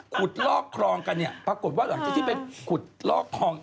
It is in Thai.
ขุดลอกครองกันปรากฏว่าจะเป็นขุดลอกครอง